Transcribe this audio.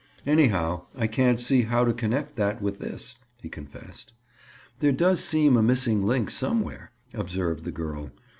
"Anyhow, I can't see how to connect that with this," he confessed. "There does seem a missing link somewhere," observed the girl.